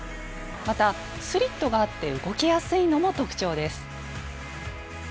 またスリットがあって動きやすいのも特徴です。